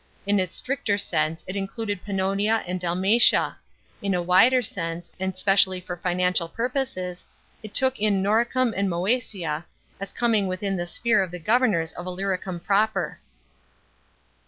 In its stricter sense it included Pannonia and Dalmatia; in a wider sense (and specially for financial purposes) it took in Noricum and Moesia, as coming within the sphere of the governors of Illyricum proper.